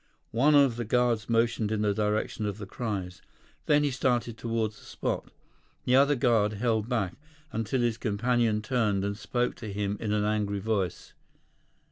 One of the guards motioned in the direction of the cries. Then he started toward the spot. The other guard held back, until his companion turned and spoke to him in an angry voice.